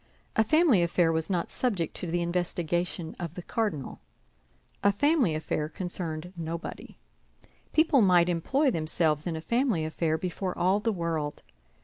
A family affair was not subject to the investigation of the cardinal; a family affair concerned nobody. People might employ themselves in a family affair before all the world.